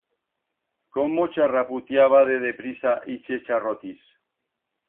Cómo charraputiaba de deprisa ixe charrotis.